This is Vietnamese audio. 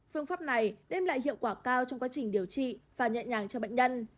phương pháp này đem lại hiệu quả cao trong quá trình điều trị và nhẹ nhàng cho bệnh nhân